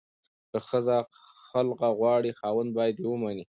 که ښځه خلع غواړي، خاوند باید ومني.